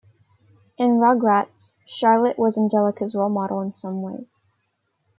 In Rugrats, Charlotte was Angelica's role model in some ways.